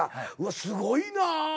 すごいなぁ！